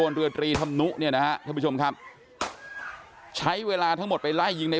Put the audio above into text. แล้วเขาก็เดินออกมาจากตัวบ้านตรงนี้